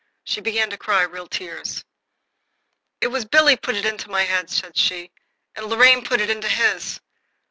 She began to cry real tears. "It was Billy put it into my head," said she, "and Lorraine put it into his.